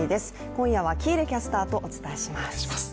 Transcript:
今夜は喜入キャスターとお伝えします。